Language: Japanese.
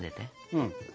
うん。